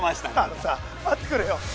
あのさ待ってくれよ。